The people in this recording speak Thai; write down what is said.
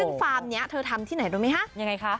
ซึ่งฟาร์มนี้เธอทำที่ไหนรู้ไหมคะยังไงคะ